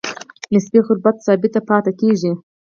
نسبي غربت ثابت پاتې کیږي.